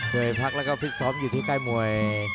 เคยพักและฟิตซอมจุดที่ค่ายมวย